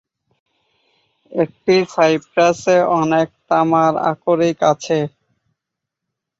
একটি সাইপ্রাসে অনেক তামার আকরিক আছে।